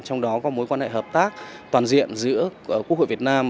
trong đó có mối quan hệ hợp tác toàn diện giữa quốc hội việt nam